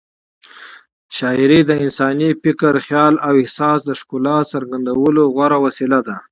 شاعري د انساني فکر، خیال او احساس د ښکلا څرګندولو غوره وسیله ده.